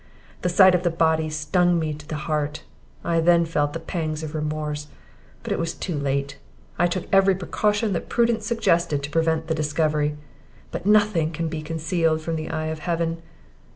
The sight of the body stung me to the heart; I then felt the pangs of remorse, but it was too late; I took every precaution that prudence suggested to prevent the discovery; but nothing can be concealed from the eye of Heaven.